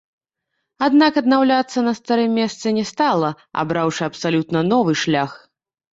Аднак аднаўляцца на старым месцы не стала, абраўшы абсалютна новы шлях.